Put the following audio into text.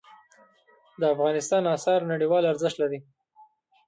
د افغانستان آثار نړیوال ارزښت لري.